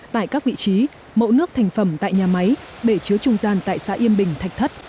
tại các vị trí mẫu nước thành phẩm tại nhà máy bể chứa trung gian tại xã yên bình thạch thất